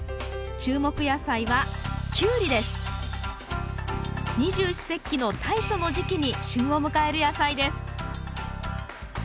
注目野菜は二十四節気の大暑の時期に旬を迎える野菜です。